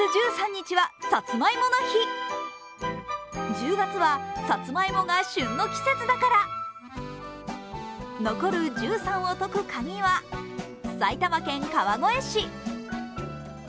１０月はさつまいもが旬の季節だから、残る１３を解くカギは埼玉県川越市。